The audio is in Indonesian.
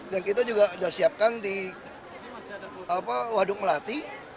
dan kita juga sudah siapkan di waduk melati